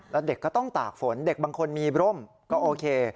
แล้วเด็กก็ต้องตากฝนเด็กบางคนมีร่มก็โอเค